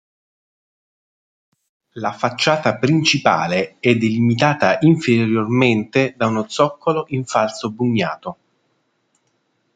La facciata principale è delimitata inferiormente da uno zoccolo in falso bugnato.